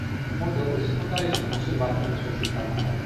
Molte opere secondarie sono conservate nella sua città natale.